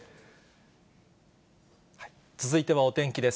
続いてはお天気です。